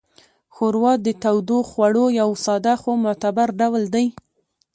ښوروا د تودوخوړو یو ساده خو معتبر ډول دی.